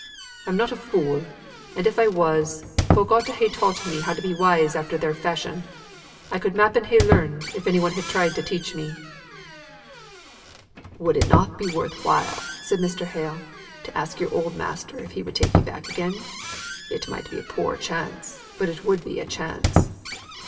I'm not a fool; and if I was, folk ought to ha' taught me how to be wise after their fashion. I could m'appen ha' learnt, if any one had tried to teach me." "Would it not be worth while," said Mr. Hale, "to ask your old master if he would take you back again? It might be a poor chance, but it would be a chance."